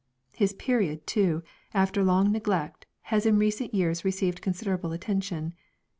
His period, too, after long neglect, has in recent years received considerable attention.